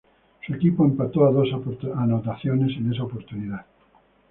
Su equipo empató a dos anotaciones en esa oportunidad.